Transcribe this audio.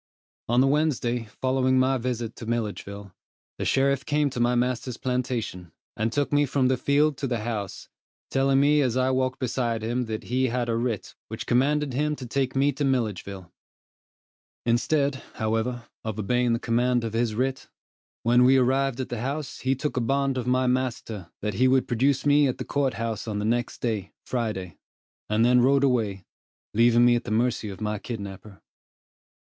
On the Wednesday following my visit to Milledgeville, the sheriff came to my master's plantation, and took me from the field to the house, telling me as I walked beside him that he had a writ which commanded him to take me to Milledgeville. Instead, however, of obeying the command of his writ, when we arrived at the house he took a bond of my master that he would produce me at the court house on the next day, Friday, and then rode away, leaving me at the mercy of my kidnapper.